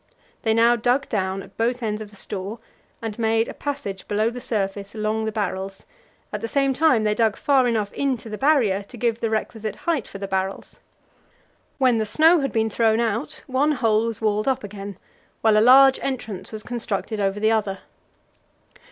They now dug down at both ends of the store, and made a passage below the surface along the barrels; at the same time they dug far enough into the Barrier to give the requisite height for the barrels. When the snow had been thrown out, one hole was walled up again, while a large entrance was constructed over the other.